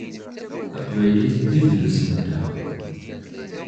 Taqbaylit d idles-nteɣ.